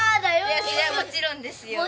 いやそりゃもちろんですよ。